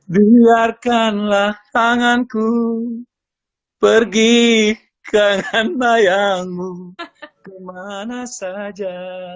biarkanlah tanganku pergi ke hambayangmu kemana saja